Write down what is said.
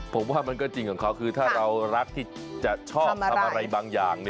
ผมว่ามันก็จริงของเขาคือถ้าเรารักที่จะชอบทำอะไรบางอย่าง